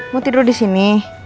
mau tidur disini